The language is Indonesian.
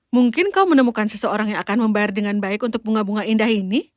mungkin kau menemukan seseorang yang akan membayar dengan baik untuk bunga bunga indah ini